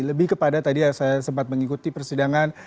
lebih kepada tadi saya sempat mengikuti persidangan